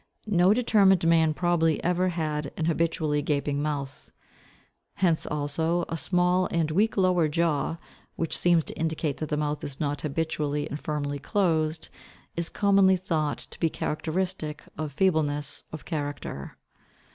No determined man probably ever had an habitually gaping mouth. Hence, also, a small and weak lower jaw, which seems to indicate that the mouth is not habitually and firmly closed, is commonly thought to be characteristic of feebleness of character.